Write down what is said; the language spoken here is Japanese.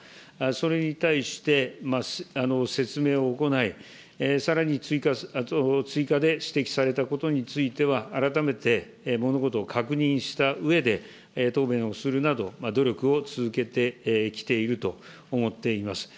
それに対して、説明を行い、さらに追加で指摘されたことについては、改めて物事を確認したうえで、答弁をするなど努力を続けてきていると思っています。